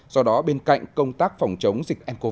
do đó bên cạnh công tác phòng chống dịch ncov